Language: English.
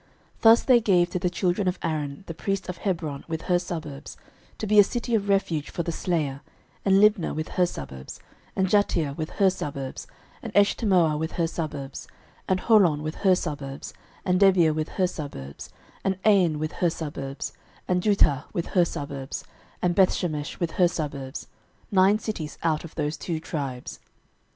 06:021:013 Thus they gave to the children of Aaron the priest Hebron with her suburbs, to be a city of refuge for the slayer; and Libnah with her suburbs, 06:021:014 And Jattir with her suburbs, and Eshtemoa with her suburbs, 06:021:015 And Holon with her suburbs, and Debir with her suburbs, 06:021:016 And Ain with her suburbs, and Juttah with her suburbs, and Bethshemesh with her suburbs; nine cities out of those two tribes.